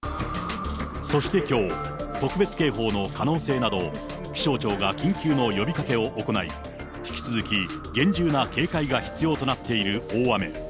そしてきょう、特別警報の可能性など、気象庁が緊急の呼びかけを行い、引き続き厳重な警戒が必要となっている大雨。